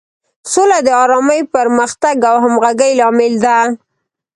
سوله د ارامۍ، پرمختګ او همغږۍ لامل ده.